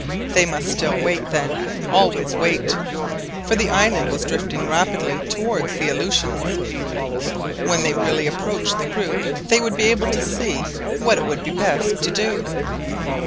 They must still wait then, always wait; for the island was drifting rapidly towards the Aleutians. When they really approached the group they would be able to see what it would be best to do.